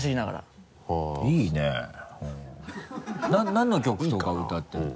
何の曲とか歌ってるの？